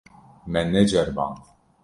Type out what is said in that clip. Me neceriband.